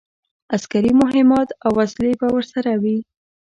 عسکري مهمات او وسلې به ورسره وي.